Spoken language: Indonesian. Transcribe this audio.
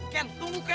ken tunggu ken